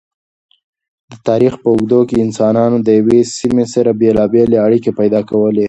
د تاریخ په اوږدو کی انسانانو د یوی سمی سره بیلابیلی اړیکی پیدا کولی